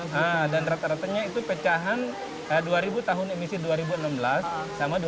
nah dan rata ratanya itu pecahan dua ribu tahun emisi dua ribu enam belas sama dua ribu sembilan belas